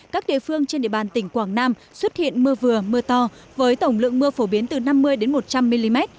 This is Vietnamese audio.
các địa phương trên địa bàn tỉnh quảng nam xuất hiện mưa vừa mưa to với tổng lượng mưa phổ biến từ năm mươi một trăm linh mm